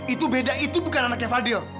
itu beda itu bukan anaknya fadil